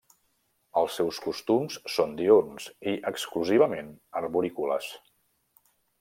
Els seus costums són diürns i exclusivament arborícoles.